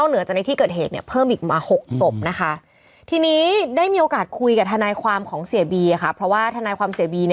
ในที่เกิดเหตุ๑๓ล้างจากนั้นอีก๒วันเป็น๑๕